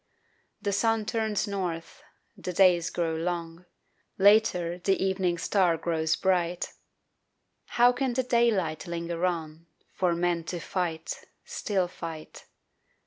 The sun turns north, the days grow long, Later the evening star grows bright How can the daylight linger on For men to fight, Still fight?